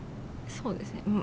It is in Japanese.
そうですね。